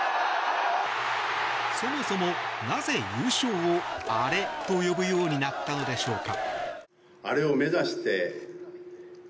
そもそも、なぜ優勝をアレと呼ぶようになったのでしょうか？